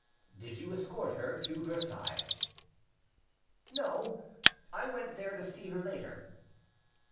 "Did you escort her to Versailles?" "No; I went there to see her later."